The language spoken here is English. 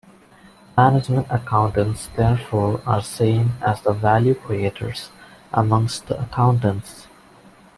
Management accountants therefore are seen as the "value-creators" amongst the accountants.